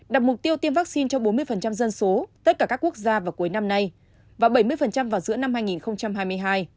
đặt mục tiêu tiêm vaccine cho bốn mươi dân số tất cả các quốc gia vào cuối năm nay và bảy mươi vào giữa năm hai nghìn hai mươi hai